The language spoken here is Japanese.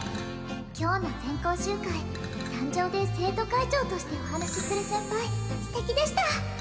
「今日の全校集会」「壇上で生徒会長としてお話しする先輩素敵でした」